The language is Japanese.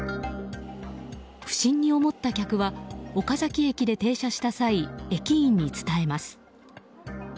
不審に思った客は岡崎駅で停車した際駅員に伝えます。